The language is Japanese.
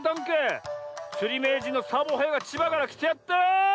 つりめいじんのサボへいがちばからきてやった。